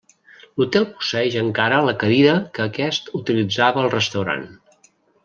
L'hotel posseeix encara la cadira que aquest utilitzava al restaurant.